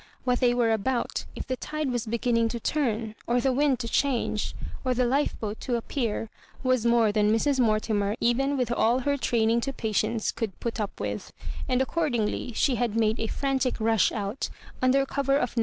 what thej were about, if the tide was beginning to turn, or the wind to change, or the lifeboat to appear, was more than Mrs. Mortimer, even with all her training to patience, could put up with ; and accordingly she hnd made a frantic rush out, under cover of n